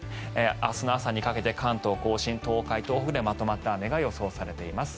明日の朝にかけて関東・甲信、東海、東北でまとまった雨が予想されています。